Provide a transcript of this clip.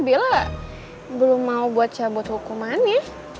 bila belum mau buat cabut hukumannya